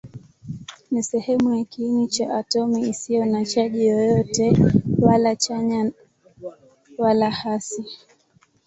Ni sehemu ya kiini cha atomi isiyo na chaji yoyote, wala chanya wala hasi.